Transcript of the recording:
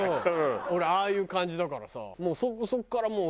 俺ああいう感じだからさ。